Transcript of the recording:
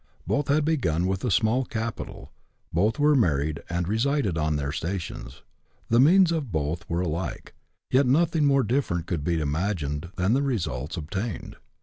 Both had begun with a small capital, both were married and resided on their stations. The means of both were alike, yet nothing more dif ferent could be imagined than the results obtained.